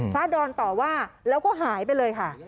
ดอนต่อว่าแล้วก็หายไปเลยค่ะ